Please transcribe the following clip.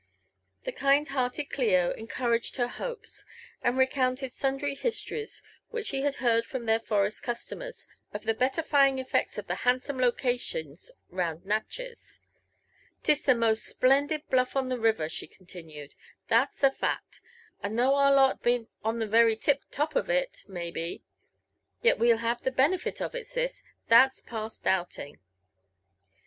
The kind hearted Clio encouraged her hopes, and recounted sundry histories which she had heard from Iheir forest customers, of the bet terfying eflecis of the handsome locations round Nati^hez. Tis the most splendid bludon theriVer," she continued, '' that's a fact ; and though our lot bean*t on the very tip lop of it, maybe, yet we'll have the benefit of it, sis, that's past doubling."